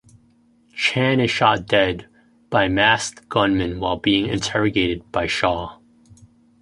Chan is shot dead by a masked gunman while being interrogated by Shaw.